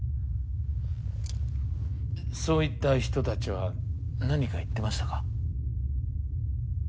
そういった人たちは何か言っていましたか？